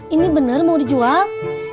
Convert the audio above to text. ini bener mau dijual